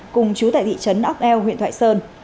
cùng chú tại thị trấn ốc eo huyện thoại sơn